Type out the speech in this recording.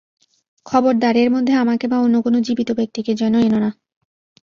খবরদার, এর মধ্যে আমাকে বা অন্য কোন জীবিত ব্যক্তিকে যেন এনো না।